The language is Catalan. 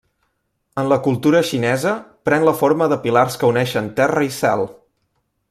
En la cultura xinesa pren la forma de pilars que uneixen Terra i Cel.